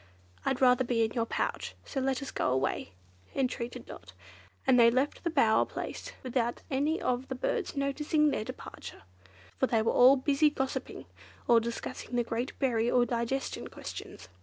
"I'd rather be in your pouch, so let us go away," entreated Dot; and they left the bower place without any of the birds noticing their departure, for they were all busy gossiping, or discussing the great berry or digestion questions.